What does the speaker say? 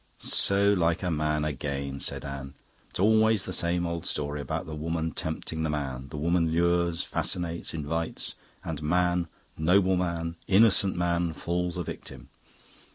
"So like a man again!" said Anne. "It's always the same old story about the woman tempting the man. The woman lures, fascinates, invites; and man noble man, innocent man falls a victim.